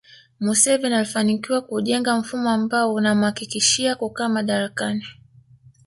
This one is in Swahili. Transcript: Museveni alifanikiwa kujenga mfumo ambao unamhakikishia kukaa madarakani